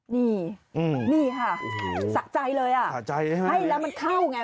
นี่ค่ะศักดิ์ใจเลยให้แล้วมันเข้าไง